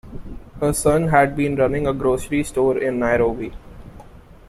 Her son had been running a grocery store in Nairobi.